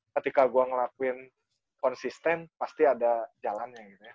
ketika gue ngelakuin konsisten pasti ada jalannya gitu ya